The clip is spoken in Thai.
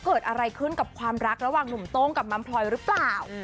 เกิดอะไรขึ้นกับความรักระหว่างหนุ่มโต้งกับมัมพลอยหรือเปล่า